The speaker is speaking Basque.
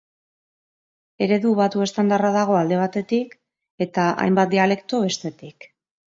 Eredu batu estandarra dago, alde batetik, eta hainbat dialekto, bestetik.